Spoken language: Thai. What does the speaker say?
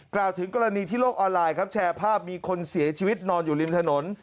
กล่าวถึงกรณีที่โลกออนไลน์ครับแชร์ภาพมีคนเสียชีวิตนอนอยู่ริมถนน